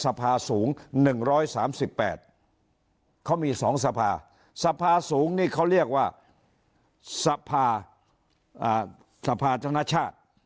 สภาสูตรสูง๑๓๘เขามีสองสภาสภาสูงนี่เขาเรียกว่าสภาจนชาติ